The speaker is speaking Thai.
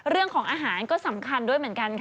เรื่องของอาหารก็สำคัญด้วยเหมือนกันค่ะ